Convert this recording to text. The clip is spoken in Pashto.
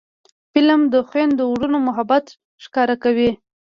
فلم د خویندو ورونو محبت ښکاره کوي